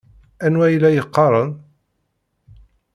Anwa ay la yeqqaren?